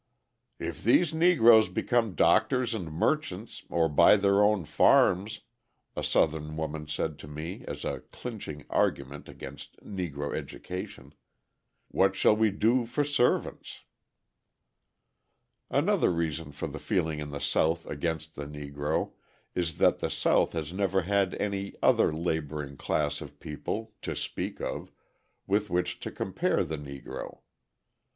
"If these Negroes become doctors and merchants or buy their own farms," a Southern woman said to me as a clinching argument against Negro education, "what shall we do for servants?" Another reason for the feeling in the South against the Negro is that the South has never had any other labouring class of people (to speak of) with which to compare the Negro.